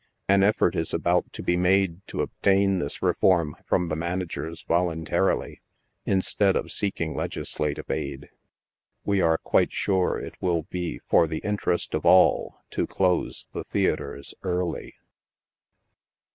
An effort is about to be made to obtain this reform from the managers voluntarily — instead of seeking legislative aid. TVe are quite sure it will be for the interest of all to close the theatres early.